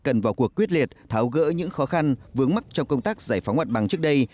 cần vào cuộc quyết liệt tháo gỡ những khó khăn vướng mắc trong công tác giải phóng hoạt bằng trước đây